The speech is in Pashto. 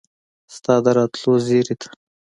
ستا د راتلو زیري ته